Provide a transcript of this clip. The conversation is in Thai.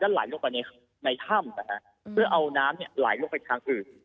จะไหลลงไปในถ้ำคือเอาน้ำไหลลงไปทางอื่น